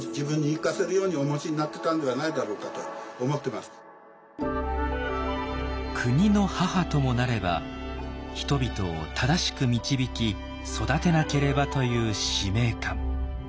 自分の子どもがいないが国の母ともなれば人々を正しく導き育てなければという使命感。